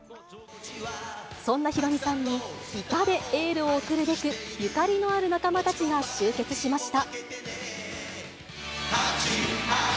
そんなヒロミさんに、歌でエールを送るべく、ゆかりのある仲間たちが集結しました。